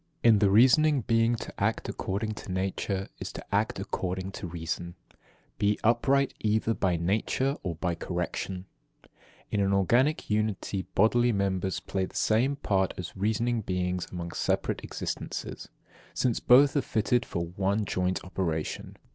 11. In the reasoning being to act according to nature is to act according to reason. 12. Be upright either by nature or by correction. 13. In an organic unity bodily members play the same part as reasoning beings among separate existences, since both are fitted for one joint operation.